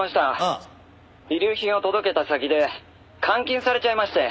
「遺留品を届けた先で監禁されちゃいまして」